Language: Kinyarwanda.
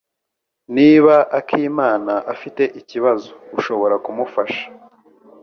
Niba Akimana afite ikibazo, ushobora kumufasha.